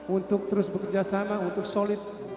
untuk terus bekerja sama untuk solid